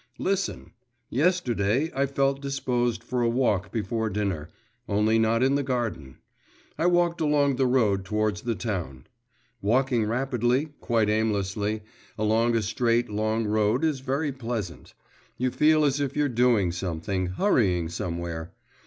Listen! Yesterday I felt disposed for a walk before dinner only not in the garden; I walked along the road towards the town. Walking rapidly, quite aimlessly, along a straight, long road is very pleasant. You feel as if you're doing something, hurrying somewhere.